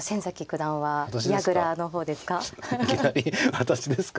私ですか？